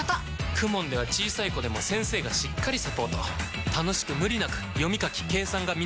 ＫＵＭＯＮ では小さい子でも先生がしっかりサポート楽しく無理なく読み書き計算が身につきます！